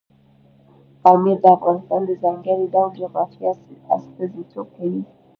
پامیر د افغانستان د ځانګړي ډول جغرافیه استازیتوب کوي.